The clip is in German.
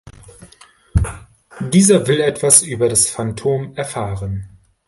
Dieser will etwas über das Phantom erfahren.